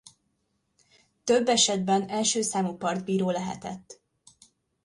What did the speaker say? Több esetben első számú partbíró lehetett.